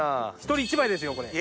１人１枚ですよこれ。